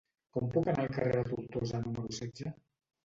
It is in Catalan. Com puc anar al carrer de Tortosa número setze?